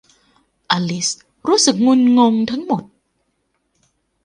อลิซรู้สึกงุนงงทั้งหมด